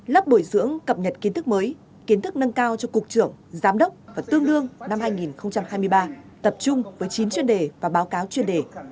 lớp bồi dưỡng cập nhật kiến thức mới kiến thức nâng cao cho cục trưởng giám đốc và tương đương năm hai nghìn hai mươi ba tập trung với chín chuyên đề và báo cáo chuyên đề